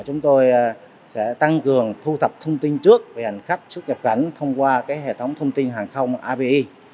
chúng tôi sẽ tăng cường thu thập thông tin trước về hành khách xuất nhập cảnh thông qua hệ thống thông tin hàng không abi